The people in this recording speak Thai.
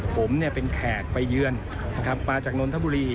ผมเป็นแขกไปเยื่อนมาจากนทบุรี